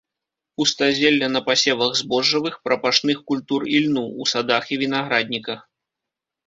Пустазелле на пасевах збожжавых, прапашных культур і льну, у садах і вінаградніках.